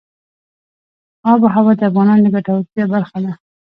آب وهوا د افغانانو د ګټورتیا برخه ده.